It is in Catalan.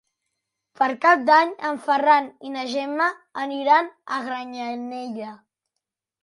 Per Cap d'Any en Ferran i na Gemma aniran a Granyanella.